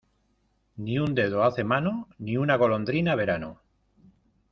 Ni un dedo hace mano, ni una golondrina verano.